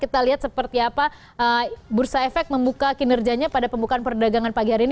kita lihat seperti apa bursa efek membuka kinerjanya pada pembukaan perdagangan pagi hari ini